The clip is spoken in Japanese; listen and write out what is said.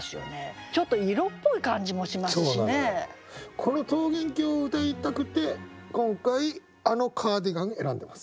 この「桃源郷」をうたいたくて今回あのカーディガン選んでます。